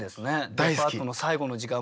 デパートの最後の時間まで。